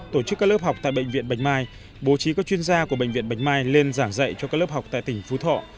tổ chức các lớp học tại bệnh viện bạch mai bố trí các chuyên gia của bệnh viện bạch mai lên giảng dạy cho các lớp học tại tỉnh phú thọ